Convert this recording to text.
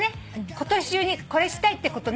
今年中にこれしたいってこと何？』